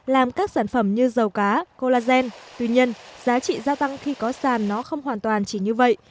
làm các sản phẩm như dầu cá collagen tuy nhiên giá trị gia tăng khi có sản nó không hoàn toàn chỉ như vậy